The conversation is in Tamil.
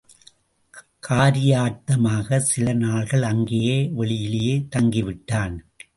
காரியார்த்தமாகச் சில நாள்கள் அங்கே வெளியிலேயே தங்கிவிட்டான்.